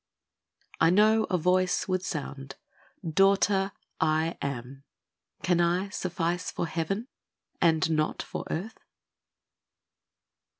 I know a Voice would sound, " Daughter, I AM. Can I suffice for Heaven, and not for earth